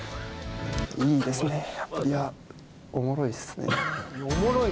いいですねいやおもろいっすね。